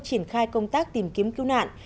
triển khai công tác tìm kiếm cứu nạn